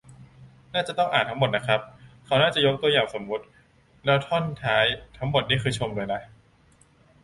น่าจะต้องอ่านทั้งหมดนะครับ เขาน่าจะยกตัวอย่างสมมติ แล้วท่อนท้ายทั้งหมดนี่คือชมเลยนะ